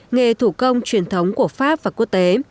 nghề thủ công truyền thống của pháp và quốc tế